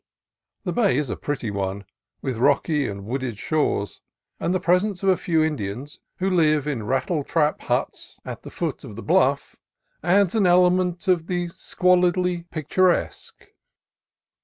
The bay is a pretty one, with rocky and wooded shores ; and the presence of a few Indians who live in rattletrap huts 300 CALIFORNIA COAST TRAILS at the foot of the bluff adds an element of the squal idly picturesque.